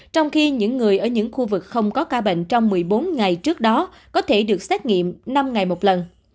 trong khi những người ở những khu vực không có ca bệnh trong một mươi bốn ngày trước đó có thể được xét nghiệm năm ngày một lần